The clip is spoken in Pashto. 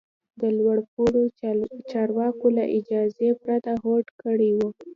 د لوړ پوړو چارواکو له اجازې پرته هوډ کړی و.